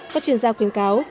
có chuyên gia khuyến cáo